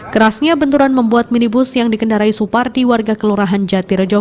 kerasnya benturan membuat minibus yang dikendarai supardi warga kelurahan jatirejo